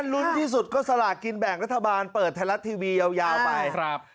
ลุ้นที่สุดก็สลากกินแบ่งรัฐบาลเปิดไทยรัฐทีวียาวไปครับ